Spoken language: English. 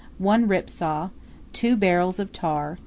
1 rip saw. 2 barrels of tar.